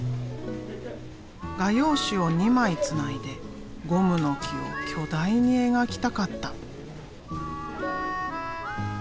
画用紙を２枚つないでゴムの木を巨大に描きたかった。